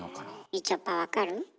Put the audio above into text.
みちょぱわかる？え？